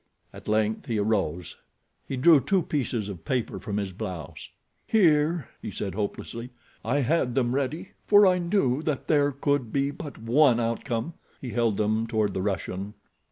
At length he arose. He drew two pieces of paper from his blouse. "Here," he said hopelessly. "I had them ready, for I knew that there could be but one outcome." He held them toward the Russian.